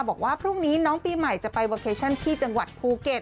บอกว่าพรุ่งนี้น้องปีใหม่จะไปเวอร์เคชั่นที่จังหวัดภูเก็ต